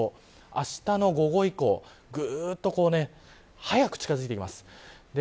あしたの午後以降ぐっと早く近づいてきます。